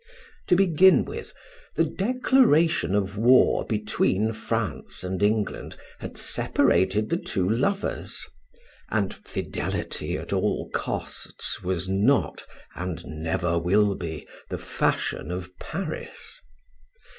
To begin with, the declaration of war between France and England had separated the two lovers, and fidelity at all costs was not, and never will be, the fashion of Paris.